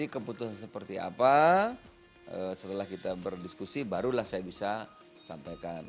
keputusan seperti apa setelah kita berdiskusi barulah saya bisa sampaikan